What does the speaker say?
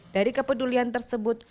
dari kepedulian tersebut